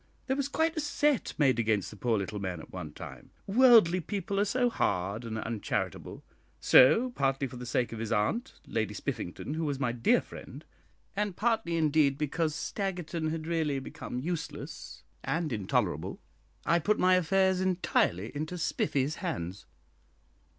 There was quite a set made against the poor little man at one time worldly people are so hard and uncharitable; so, partly for the sake of his aunt, Lady Spiffington, who was my dear friend, and partly, indeed, because Staggerton had really become useless and intolerable, I put my affairs entirely into Spiffy's hands."